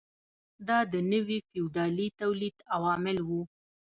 دا د نوي فیوډالي تولید عوامل وو.